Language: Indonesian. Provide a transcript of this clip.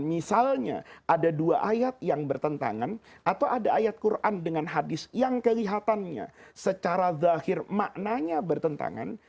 misalnya ada dua ayat yang bertentangan atau ada ayat quran dengan hadis yang kelihatannya secara zahir maknanya bertentangan